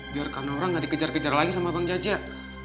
biar kan orang gak dikejar kejar lagi sama bang jajah